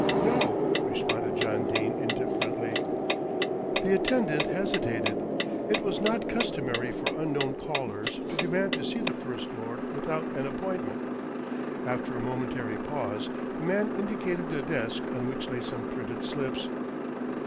"No," responded John Dene indifferently. The attendant hesitated. It was not customary for unknown callers to demand to see the First Lord without an appointment. After a momentary pause the man indicated a desk on which lay some printed slips.